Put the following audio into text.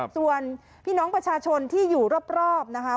ส่วนพี่น้องประชาชนที่อยู่รอบนะคะ